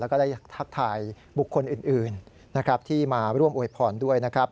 แล้วก็ได้ทักทายบุคคลอื่นนะครับที่มาร่วมอวยพรด้วยนะครับ